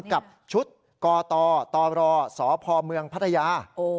กับชุดกตรสพเมืองพัทยา